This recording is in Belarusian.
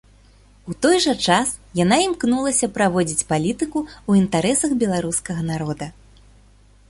У той жа час яна імкнулася праводзіць палітыку ў інтарэсах беларускага народа.